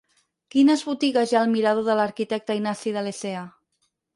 Quines botigues hi ha al mirador de l'Arquitecte Ignasi de Lecea?